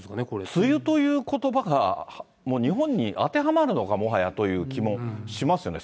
梅雨ということばが、もう日本に当てはまるのか、もはやという気もしますよね。